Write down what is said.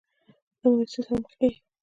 د مايوسۍ سره مخ کيږي